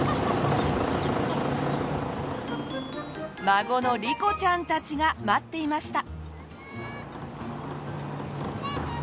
孫の莉子ちゃんたちが待っていました。